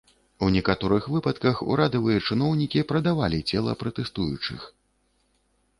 У некаторых выпадках урадавыя чыноўнікі прадавалі цела пратэстуючых.